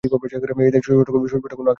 এদের সুস্পষ্ট কোন আকৃতি নেই।